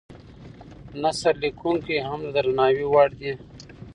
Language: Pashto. نثر لیکونکي هم د درناوي وړ دي.